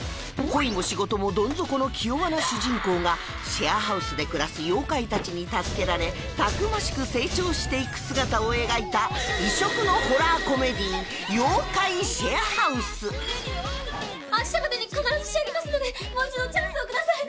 恋も仕事もどん底の気弱な主人公がシェアハウスで暮らす妖怪たちに助けられたくましく成長していく姿を描いた異色のホラーコメディ『妖怪シェアハウス』明日までに必ず仕上げますのでもう一度チャンスをください。